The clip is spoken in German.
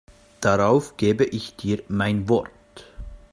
Darauf gebe ich dir mein Wort.